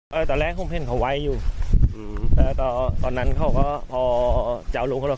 ตอนแรกเขาเห็นเขาไว้อยู่แต่ตอนนั้นเขาก็พอเจ้าหลวงเขาแล้ว